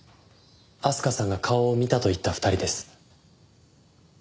明日香さんが顔を見たと言った２人です。